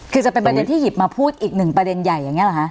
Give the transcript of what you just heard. คือจะเป็นประเด็นที่หยิบมาพูดอีกหนึ่งประเด็นใหญ่อย่างนี้หรอคะ